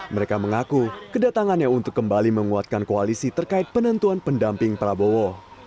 mereka mengaku kedatangannya untuk kembali menguatkan koalisi terkait penentuan pendamping prabowo